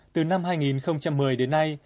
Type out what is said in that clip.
từ năm hai nghìn một mươi đến nay